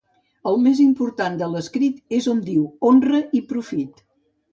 El més important de l'escrit és on diu honra i profit.